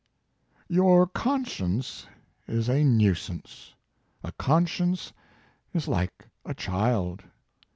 211 " Your conscience is a nuisance. A conscience is like a child.